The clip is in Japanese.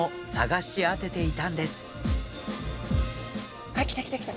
あっ来た来た来た。